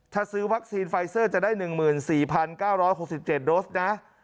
ถ้าซื้อวัคซีนไฟเซอร์จะได้๑๔๙๖๗โดสนะ